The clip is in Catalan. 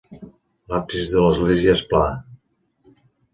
L'absis de l'església és pla.